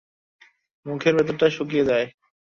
মুখের ভেতরটা শুকিয়ে যায়।